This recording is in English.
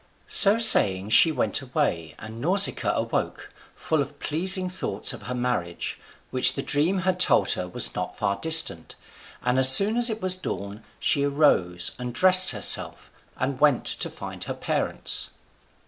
So saying, she went away, and Nausicaa awoke, full of pleasing thoughts of her marriage, which the dream had told her was not far distant; and as soon as it was dawn she arose and dressed herself, and went to find her parents.